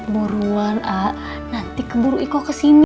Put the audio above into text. buruan ah nanti keburu iku kesini